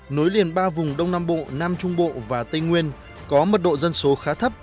nối liền ba vùng đông nam bộ nam trung bộ và tây nguyên có mật độ dân số khá thấp